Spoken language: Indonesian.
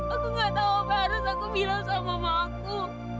aku gak tahu apa harus aku bilang sama mama aku